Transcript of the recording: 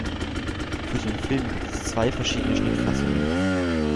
Für den Film gibt es zwei verschiedene Schnittfassungen.